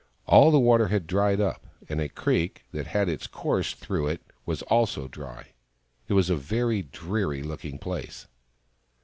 All the water had dried up, and a creek that had its course through it was also dry. It was a very dreary looking place.